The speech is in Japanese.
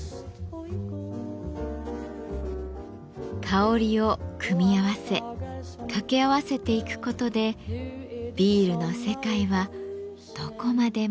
香りを組み合わせ掛け合わせていくことでビールの世界はどこまでも広がっていきます。